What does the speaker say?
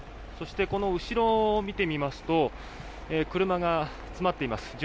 そして、この後ろを見てみますと車が詰まっています。